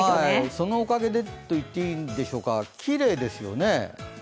そのおかげでと言っていいんでしょうか、景色がきれいですよね。